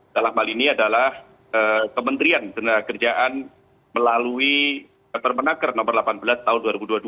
dalam hal ini adalah kementerian tenaga kerjaan melalui permenaker nomor delapan belas tahun dua ribu dua puluh dua